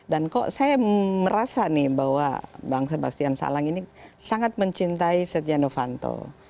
dan kok saya merasa nih bahwa bang sebastian salang ini sangat mencintai setia novanto